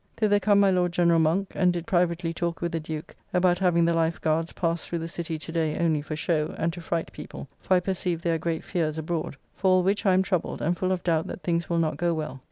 Thither come my Lord General Monk, and did privately talk with the Duke about having the life guards pass through the City today only for show and to fright people, for I perceive there are great fears abroad; for all which I am troubled and full of doubt that things will not go well.